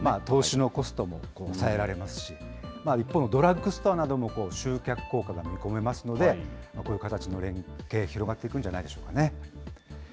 投資のコストも抑えられますし、一方のドラッグストアなども、集客効果が見込めますので、こういう形の連携広がっていくんじゃないでしょうかね。